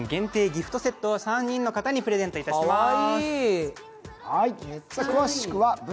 ギフトセットを３名の方にプレゼントします。